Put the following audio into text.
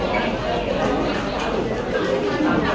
ที่เจนนี่ของกล้องนี้นะคะ